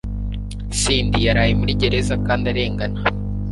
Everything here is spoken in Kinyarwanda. Cindy yaraye muri gereza kandi arengana